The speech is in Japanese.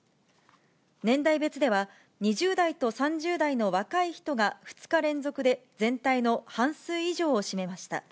年代別では、２０代と３０代の若い人が２日連続で全体の半数以上を占めました。